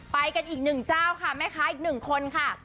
ไปกันอีกหนึ่งเจ้าค่ะแม่ค้าอีกหนึ่งคนค่ะ